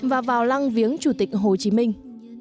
và vào lăng viếng chủ tịch hồ chí minh